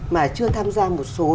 mà chưa tham gia một số